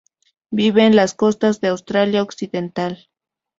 Vive en las costas de Australia Occidental.